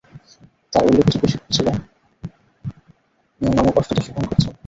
তার উল্লেখযোগ্য শিক্ষক ছিলেন নাম-ম্খা'-সাংস-র্গ্যাস এবং শেস-রাব-'ব্যুং-গ্নাস নামক অষ্টাদশ ঙ্গোর-ছেন।